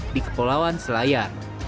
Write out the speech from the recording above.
di kepulauan selayar